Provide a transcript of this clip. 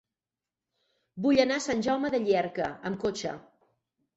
Vull anar a Sant Jaume de Llierca amb cotxe.